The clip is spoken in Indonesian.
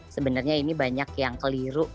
sebenarnya ini banyak yang keliru